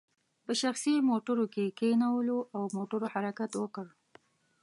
په شخصي موټرو کې یې کینولو او موټرو حرکت وکړ.